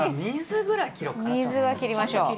水は切りましょう。